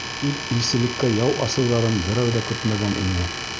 Тик илселеккә яу асыуҙарын берәү ҙә көтмәгән ине.